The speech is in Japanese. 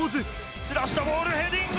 すらしたボール、ヘディング！